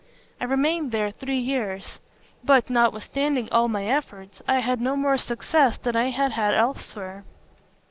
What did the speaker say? I remained there three years; but, notwithstanding all my efforts, I had no more success than I had had elsewhere.